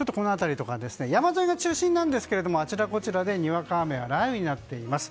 山沿いが中心なんですがあちらこちらでにわか雨や雷雨になっています。